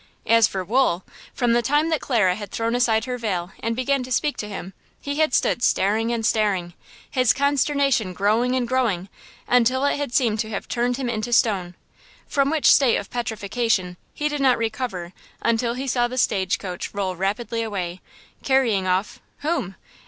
As for Wool! From the time that Clara had thrown aside her veil and began to speak to him he had stood staring and staring–his consternation growing and growing–until it had seemed to have turned him into stone–from which state of petrefaction he did not recover until he saw the stage coach roll rapidly away, carrying off–whom?